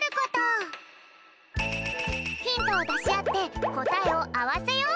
ヒントをだしあってこたえをあわせよう！